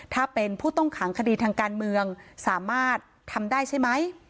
ถ้าเป็นผู้ต้องขังคดีทางการเมืองสามารถทำได้ใช่ไหม